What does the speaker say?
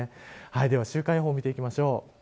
では、週間予報を見ていきましょう。